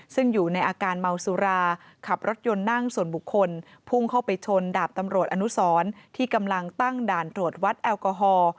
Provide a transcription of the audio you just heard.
ซึ่งอยู่ในอาการเมาสุราขับรถยนต์นั่งส่วนบุคคลพุ่งเข้าไปชนดาบตำรวจอนุสรที่กำลังตั้งด่านตรวจวัดแอลกอฮอล์